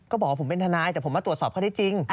บอกว่าผมเป็นทนายแต่ผมมาตรวจสอบข้อได้จริง